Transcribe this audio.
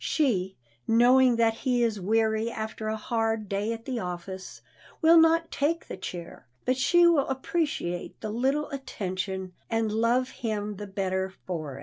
She, knowing that he is weary after a hard day at the office, will not take the chair, but she will appreciate the little attention, and love him the better for it.